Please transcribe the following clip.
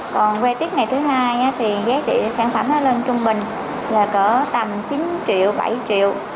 còn về tiếp ngày thứ hai thì giá trị sản phẩm nó lên trung bình là cỡ tầm chín triệu bảy triệu